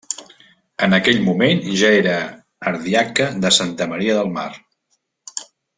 En aquell moment ja era ardiaca de Santa Maria del Mar.